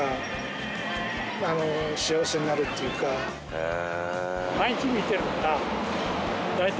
「へえ」